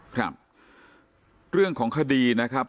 ครับเรื่องของคดีนะครับ